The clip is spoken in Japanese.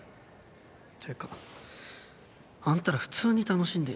ていうかあんたら普通に楽しんでんじゃん。